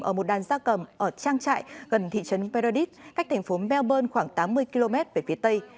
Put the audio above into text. ở một đàn gia tầm ở trang trại gần thị trấn meredith cách thành phố melbourne khoảng tám mươi km về phía tây